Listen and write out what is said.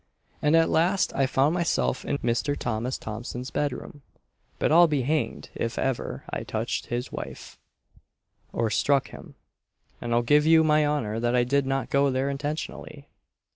and at last I found myself in Mr. Thomas Thompson's bed room; but I'll be hanged if ever I touched his wife, or struck him; and I'll give you my honour that I did not go there intentionally."